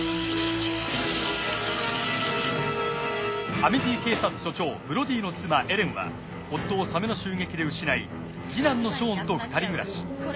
アミティ警察署長ブロディの妻エレンは夫をサメの襲撃で失い次男のショーンと２人暮らし。